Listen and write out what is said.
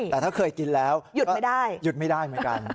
แต่ถ้าเคยกินแล้วหยุดไม่ได้